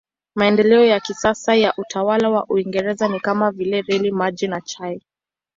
Maendeleo ya kisasa ya utawala wa Uingereza ni kama vile reli, maji na chai.